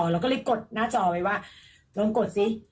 เราก็เลยกดหน้าจอไว้ว่าลองกดสิ